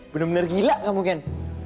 bener bener gila kamu ken